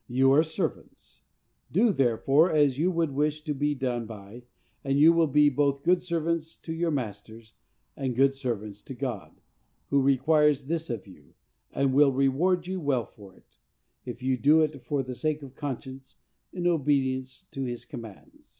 You are servants: do, therefore, as you would wish to be done by, and you will be both good servants to your masters, and good servants to God, who requires this of you, and will reward you well for it, if you do it for the sake of conscience, in obedience to his commands.